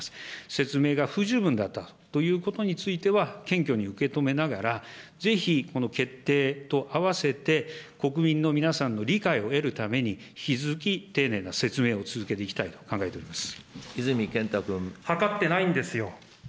説明が不十分だったということについては、謙虚に受け止めながら、ぜひこの決定と併せて、国民の皆さんの理解を得るために、引き続き丁寧な説明を続けていきたいと考えています。